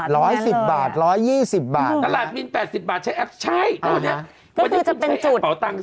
ร้อยสิบบาทแบบนี้เลยนะฮะตลาดมี๘๐บาทใช้แอพใช้ตอนนี้มันใช้แอพเปาตังศ์